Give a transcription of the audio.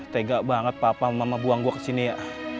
tega banget papa mama buang gue kesini ya